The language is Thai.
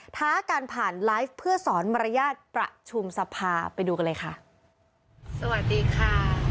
ท้ากันผ่านไลฟ์เพื่อสอนมารยาทประชุมสภาไปดูกันเลยค่ะสวัสดีค่ะ